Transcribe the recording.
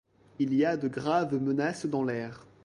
Il y a de graves menaces dans l’air.